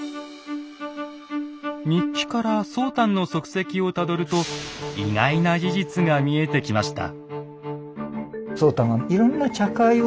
日記から宗湛の足跡をたどると意外な事実が見えてきました。